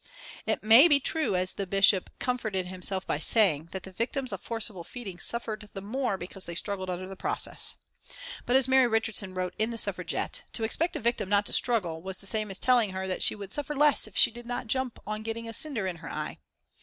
It may be true, as the Bishop comforted himself by saying, that the victims of forcible feeding suffered the more because they struggled under the process. But, as Mary Richardson wrote in the Suffragette, to expect a victim not to struggle was the same as telling her that she would suffer less if she did not jump on getting a cinder in her eye.